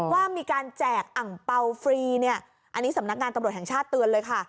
ว่ามีการแจกอังเปล่าฟรีเนี่ยอันนี้สำนักงานตำรวจแห่งชาติเตือนเลยค่ะ